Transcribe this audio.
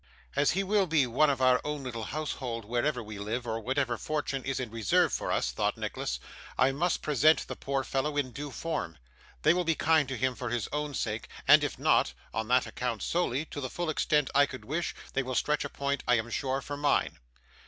'As he will be one of our own little household, wherever we live, or whatever fortune is in reserve for us,' thought Nicholas, 'I must present the poor fellow in due form. They will be kind to him for his own sake, and if not (on that account solely) to the full extent I could wish, they will stretch a point, I am sure, for mine.